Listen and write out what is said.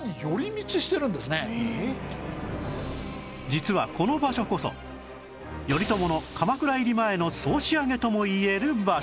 実はこの場所こそ頼朝の鎌倉入り前の総仕上げともいえる場所